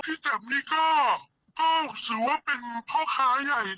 พี่แดมนี้ก็ถือว่าเป็นพ่อค้าใหญ่ในจังหวัด